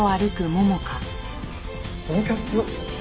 このキャップ。